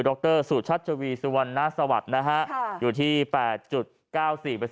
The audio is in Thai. ดรสุชัชวีสวรรณสวรรค์นะฮะค่ะอยู่ที่แปดจุดเก้าสี่